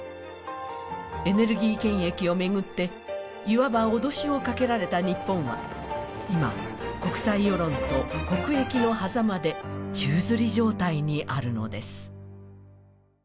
エネルギー権益を巡っていわば脅しをかけられた日本は今、国際世論と国益のはざまで宙づり状態にあるのです。